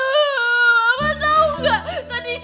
mama tau gak tadi